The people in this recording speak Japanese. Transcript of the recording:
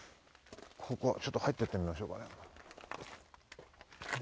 ちょっと入って行ってみましょうか。